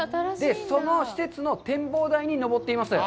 その施設の展望台に登っています。